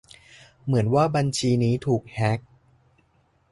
"เหมือนว่าบัญชีนี้ถูกแฮ็ก"